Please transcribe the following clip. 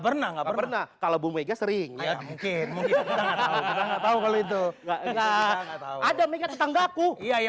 pernah nggak pernah kalau bume ga sering mungkin hahaha kalau itu enggak ada tetangga aku ya ya